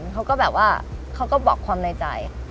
เขาก็แบบว่าเขาก็บอกความในใจ